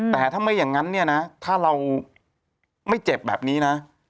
แต่ถ้าไม่อย่างนั้นเนี่ยนะถ้าเราไม่เจ็บแบบนี้นะ